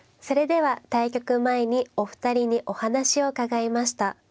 それでは対局前にお二人にお話を伺いました。